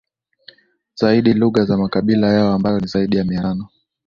zaidi lugha za makabila yao ambayo ni zaidi ya Mia tano